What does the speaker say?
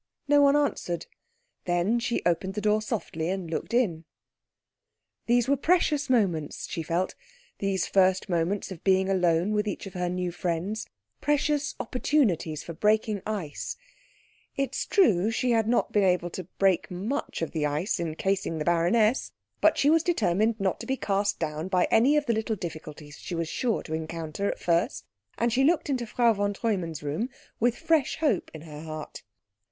No one answered. Then she opened the door softly and looked in. These were precious moments, she felt, these first moments of being alone with each of her new friends, precious opportunities for breaking ice. It is true she had not been able to break much of the ice encasing the baroness, but she was determined not to be cast down by any of the little difficulties she was sure to encounter at first, and she looked into Frau von Treumann's room with fresh hope in her heart.